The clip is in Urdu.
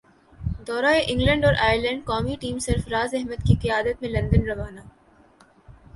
دورہ انگلینڈ اور ائرلینڈ قومی ٹیم سرفرازاحمد کی قیادت میں لندن روانہ